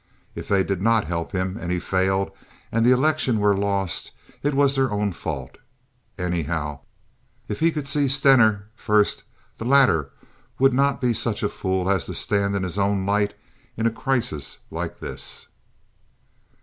If they did not help him and he failed, and the election were lost, it was their own fault. Anyhow, if he could see Stener first the latter would not be such a fool as to stand in his own light in a crisis like this.